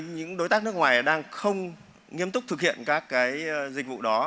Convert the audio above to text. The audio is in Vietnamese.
những đối tác nước ngoài đang không nghiêm túc thực hiện các dịch vụ đó